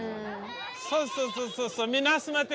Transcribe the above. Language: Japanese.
そうそうそうそう。